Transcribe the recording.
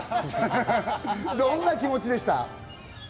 どんな気持ちでした？